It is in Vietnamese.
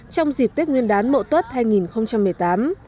trong dịp tết nguyên đán mậu tuất hai nghìn một mươi tám